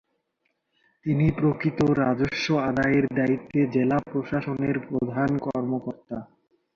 তিনি প্রকৃত রাজস্ব আদায়ের দায়িত্বে জেলা প্রশাসনের প্রধান কর্মকর্তা।